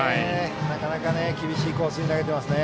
なかなか厳しいコースに投げていますね。